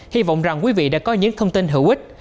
hy vọng rằng quý vị đã có những thông tin hữu ích